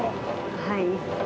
はい。